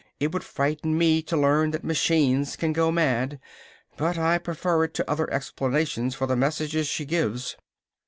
It would frighten me to learn that machines can go mad, but I would prefer it to other explanations for the messages she gives."